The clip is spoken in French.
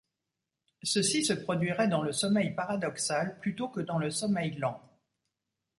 Ceci se produirait dans le sommeil paradoxal, plutôt que dans le sommeil lent.